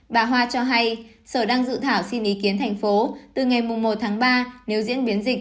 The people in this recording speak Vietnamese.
bà hoa cho hay sở đang dự thảo xin ý kiến thành phố từ ngày một tháng ba nếu diễn biến dịch